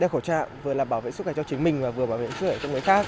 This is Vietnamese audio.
khẩu trang vừa là bảo vệ sức khỏe cho chính mình và vừa bảo vệ sức khỏe cho người khác